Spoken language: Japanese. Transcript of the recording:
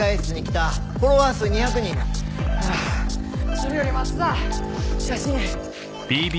それより松田写真。